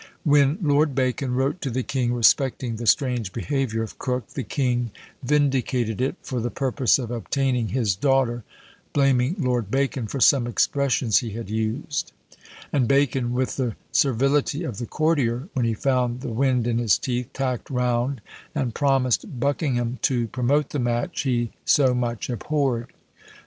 When Lord Bacon wrote to the king respecting the strange behaviour of Coke, the king vindicated it, for the purpose of obtaining his daughter, blaming Lord Bacon for some expressions he had used; and Bacon, with the servility of the courtier, when he found the wind in his teeth, tacked round, and promised Buckingham to promote the match he so much abhorred.